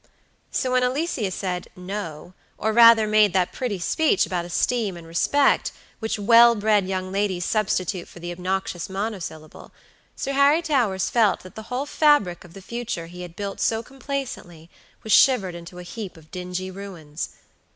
So when Alicia said "No," or rather made that pretty speech about esteem and respect, which well bred young ladies substitute for the obnoxious monosyllable, Sir Harry Towers felt that the whole fabric of the future he had built so complacently was shivered into a heap of dingy ruins.